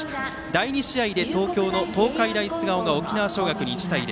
第２試合で東京の東海大菅生が沖縄尚学に１対０。